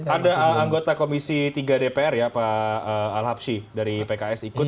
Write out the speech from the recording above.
ada anggota komisi tiga dpr ya pak al habsyi dari pks ikut